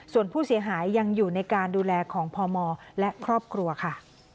ส่วนผู้เสียหายยังอยู่ในการดูแลของพมและครอบครัวค่ะ